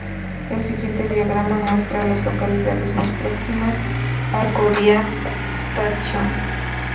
El siguiente diagrama muestra a las localidades más próximas a Kodiak Station.